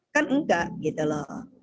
kan enggak gitu loh